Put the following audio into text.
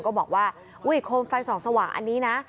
ก็บอกว่าอุ้ยโคมไฟส่องสว่างอันนี้นะ